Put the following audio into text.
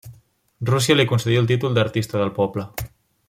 Rússia li concedí el títol d'Artista del Poble.